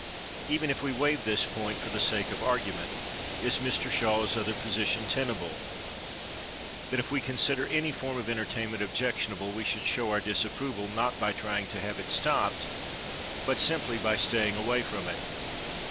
Even if we waive this point for the sake of argument, is Mr Shaw's other position tenable that, if we consider any form of entertainment objectionable, we should show our disapproval, not by trying to have it stopped, but simply by staying away from it?